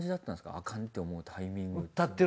アカンって思うタイミング。